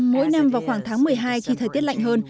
mỗi năm vào khoảng tháng một mươi hai khi thời tiết lạnh hơn